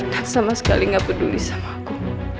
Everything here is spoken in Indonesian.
dan sama sekali gak peduli sama aku